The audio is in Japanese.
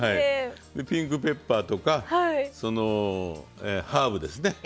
ピンクペッパーとかハーブですね。